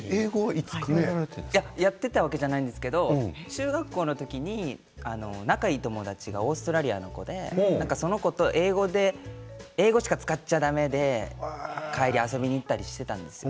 いややってたわけじゃないんですけど中学校の時に仲いい友達がオーストラリアの子でその子と英語しか使っちゃ駄目で帰り遊びに行ったりしてたんですよ。